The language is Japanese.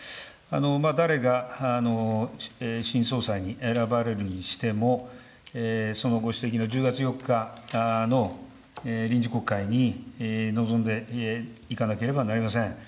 誰が新総裁に選ばれるにしても、そのご指摘の１０月４日の臨時国会に臨んでいかなければなりません。